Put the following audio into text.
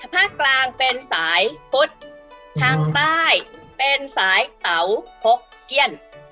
ภาคกลางเป็นสายฟุตทางใต้เป็นสายเต๋าพกเกี้ยน